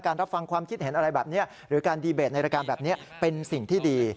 รับฟังความคิดเห็นอะไรแบบนี้หรือการดีเบตในรายการแบบนี้เป็นสิ่งที่ดี